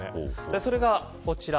それがこちら。